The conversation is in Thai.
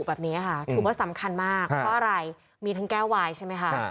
แบบนี้ค่ะถือว่าสำคัญมากเพราะอะไรมีทั้งแก้ววายใช่ไหมคะ